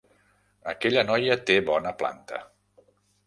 Aquella noia té bona planta.